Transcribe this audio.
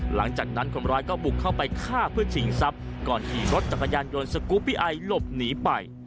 หลังจากนั้นคนร้ายก็บุกเข้าไปฆ่าเพื่อชิงทรัพย์ก่อนขี่รถจักรยานยนต์สกูปปี้ไอหลบหนีไป